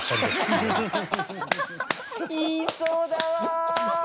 言いそうだわ。